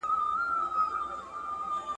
تر نکل ئې و پوهېدې ډېر دئ.